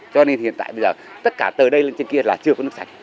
cho nên hiện tại tất cả từ đây lên trên kia là chưa có nước sạch